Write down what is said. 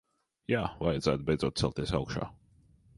Jā, vajadzētu beidzot celties augšā.